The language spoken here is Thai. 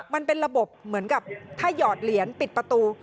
มันเป็นระบบเหมือนกับถ้าหยอดเหรียญปิดประตู